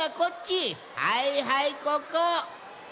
はいはいここ！